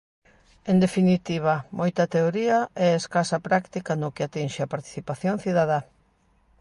En definitiva, moita teoría e escasa práctica no que atinxe á participación cidadá.